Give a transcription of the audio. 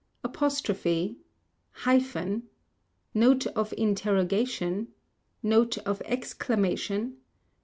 Apostrophe ' Hyphen Note of Interrogation ? Note of Exclamation